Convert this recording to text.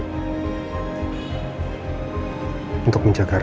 pengurusan tipp strap up